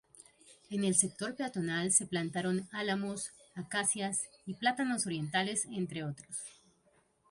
En el sector peatonal se plantaron álamos, acacias y plátanos orientales, entre otros.